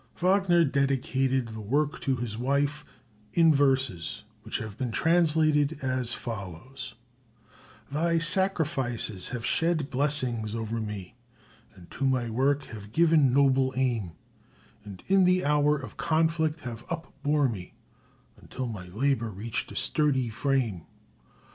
Wagner dedicated the work to his wife in verses which have been translated as follows: "Thy sacrifices have shed blessings o'er me, And to my work have given noble aim, And in the hour of conflict have upbore me, Until my labor reached a sturdy frame.